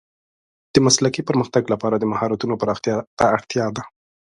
د مسلکي پرمختګ لپاره د مهارتونو پراختیا ته اړتیا ده.